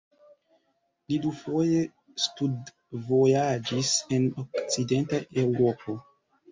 Li dufoje studvojaĝis en okcidenta Eŭropo.